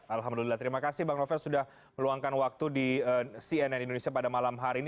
alhamdulillah terima kasih bang novel sudah meluangkan waktu di cnn indonesia pada malam hari ini